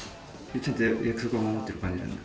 ちゃんと約束は守ってる感じなんだ？